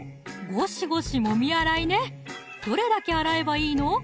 ごしごしもみ洗いねどれだけ洗えばいいの？